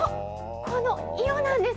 この色なんです。